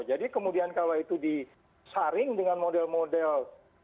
jadi kemudian kalau itu disaring dengan model model